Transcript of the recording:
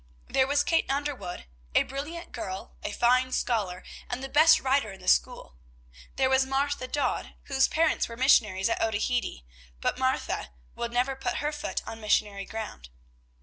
There was Kate Underwood, a brilliant girl, a fine scholar, and the best writer in the school. There was Martha Dodd, whose parents were missionaries at Otaheite; but Martha will never put her foot on missionary ground.